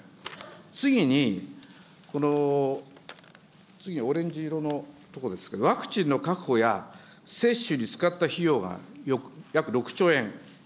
次にこのオレンジ色の所ですけれども、ワクチンの確保や、接種に使った費用が約６兆円。